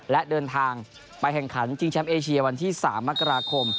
และเดินทางไปแข่งขันชิงแชมป์เอเชียวันที่๓มกราคม